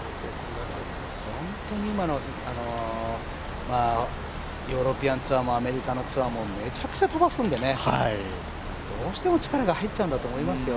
本当に今のヨーロピアンツアーもアメリカツアーもめちゃくちゃ飛ばすんで、どうしても力が入っちゃうんだと思いますよ。